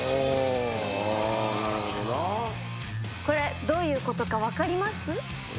これどういうことか分かります？